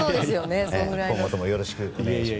今後ともよろしくお願いします。